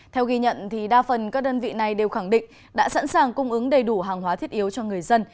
theo ghi nhận đa phần các đơn vị này đều khẳng định đã sẵn sàng cung ứng đầy đủ hàng hóa thiết yếu cho người dân